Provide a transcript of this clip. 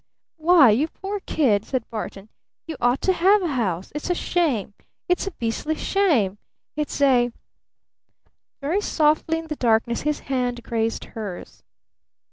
"Why, you poor kid!" said Barton. "You ought to have a house! It's a shame! It's a beastly shame! It's a " Very softly in the darkness his hand grazed hers.